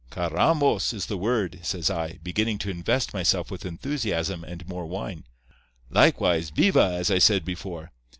_' "'Carrambos is the word,' says I, beginning to invest myself with enthusiasm and more wine, 'likewise veeva, as I said before.